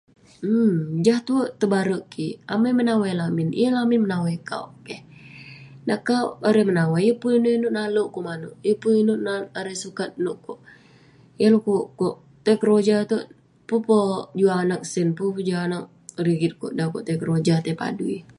Urm..jah tuerk tebarek kik, amai menawai lamin, yeng lamin menawai kauk, keh..nak kauk menawai, yeng pun inouk inouk nalek kok manouk, yeng pun inouk erey..sukat nouk kok..yeng pukuk kok, tai keroja..pun peh juk anag sen, pun peh juk anag rigit kok dan kok keroja, tai padui..